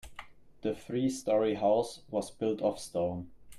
The three story house was built of stone.